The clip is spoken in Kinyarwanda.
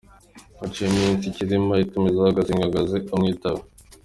Haciyeho iminsi Cyilima atumizaho Gasigwa ngo aze amwitabe.